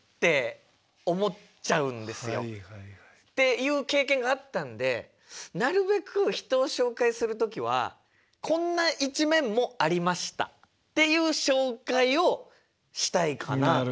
いう経験があったんでなるべく人を紹介する時は「こんな一面もありました」っていう紹介をしたいかなって。